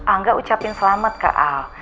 angga ucapin selamat ke al